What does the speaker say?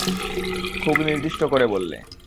খুব নির্দিষ্ট করে বললে।